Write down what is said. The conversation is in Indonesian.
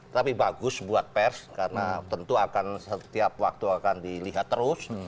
tapi bagus buat pers karena tentu akan setiap waktu akan dilihat terus